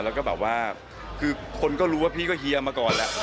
แล้วก็แบบว่าคือคนก็รู้ว่าพี่ก็เฮียมาก่อนแหละ